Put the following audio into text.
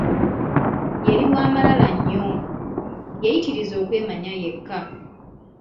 Yali wa malala nnyo, yayitiriza okwemanya yekka.